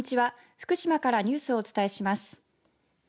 福島からニュースをお伝えします。